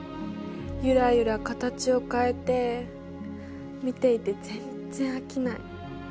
ゆらゆら形を変えて見ていて全然飽きない。